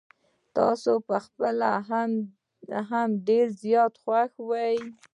تاسو په خپله هم ډير زيات خوښ وې.